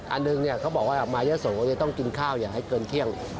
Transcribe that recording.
อันหนึ่งเขาบอกว่ามายะโสจะต้องกินข้าวอย่าให้เกินเที่ยง